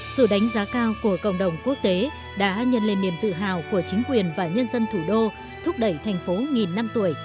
sự đánh giá cao của cộng đồng quốc tế đã nhân lên niềm tự hào của chính quyền và nhân dân thủ đô thúc đẩy thành phố nghìn năm tuổi